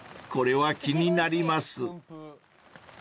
［これは気になります］